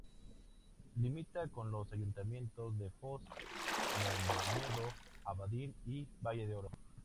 Limita con los ayuntamientos de Foz, Mondoñedo, Abadín y Valle de Oro.